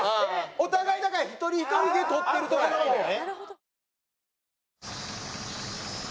お互いだから一人一人で撮ってるって事や。